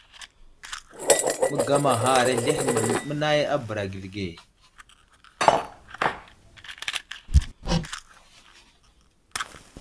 Məgamaghar azlehe mənay a bəra gəli ge.